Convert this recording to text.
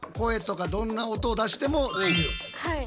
はい。